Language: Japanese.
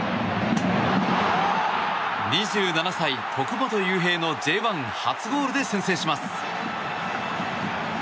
２７歳、徳元悠平のＪ１初ゴールで先制します。